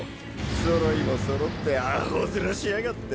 そろいもそろってアホ面しやがって。